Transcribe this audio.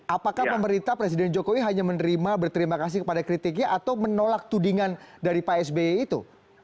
apakah pemerintah presiden jokowi hanya menerima berterima kasih kepada kritiknya atau menolak tudingan dari pak sby itu